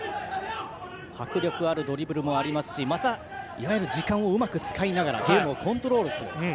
迫力あるドリブルもありますしまた時間をうまく使いながらゲームをコントロールする。